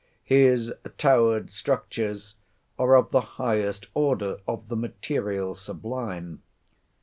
His towered structures are of the highest order of the material sublime.